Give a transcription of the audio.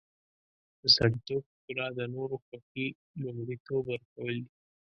د سړیتوب ښکلا د نورو خوښي لومړیتوب ورکول دي.